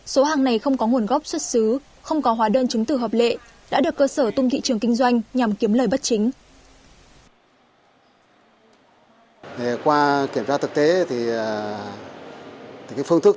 số hàng này không có nguồn gốc xuất xứ không có hóa đơn chứng tử hợp lệ đã được cơ sở tung thị trường kinh doanh nhằm kiếm lời bất chính